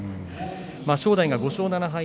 正代が５勝７敗。